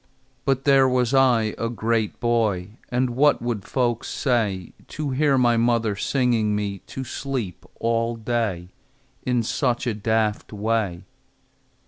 But there was I, a great boy, And what would folks say To hear my mother singing me To sleep all day, In such a daft way?